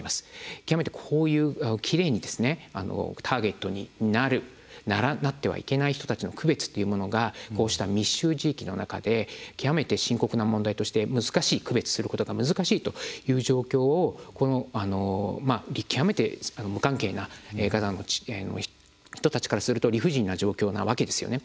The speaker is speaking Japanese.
極めて、こういうターゲットになってはいけない人たちの区別っていうものがこうした密集地域の中で極めて深刻な問題として区別することが難しいという状況を、極めて無関係なガザの人たちからすると理不尽な状況なわけですよね。